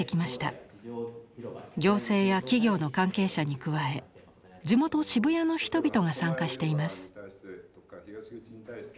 行政や企業の関係者に加え地元渋谷の人々が参加しています。